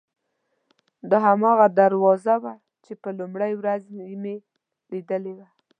دا هماغه دروازه وه چې په لومړۍ ورځ مې لیدلې وه.